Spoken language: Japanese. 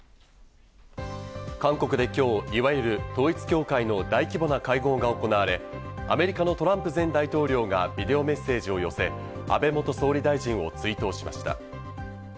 韓国で今日、いわゆる統一教会の大規模な会合が行われ、アメリカのトランプ前大統領がビデオメッセージを寄せ、安倍元総理大臣を追悼しました。